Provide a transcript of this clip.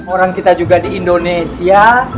orang kita juga di indonesia